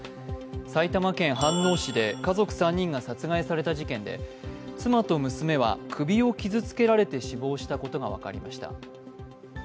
埼玉県飯能市で家族３人が殺害された事件で妻と娘は首を傷つけられて死亡したことが分かりました。